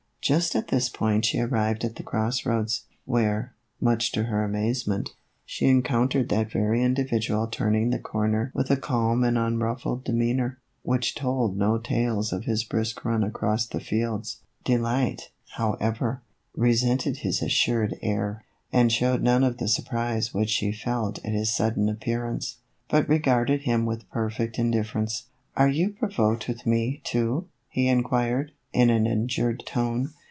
Just at this point she arrived at the cross roads, where, much to her amazement, she encountered that very individual turning the corner with a calm and unruffled demeanor, which told no tales of his brisk run across the fields. Delight, however, re THE EVOLUTION OF A BONNET. 1 29 sented his assured air, and showed none of the sur prise which she felt at his sudden appearance, but regarded him with perfect indifference. " Are you provoked with me, too ?" he inquired, in an injured tone.